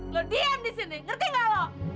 lo diem di sini ngerti nggak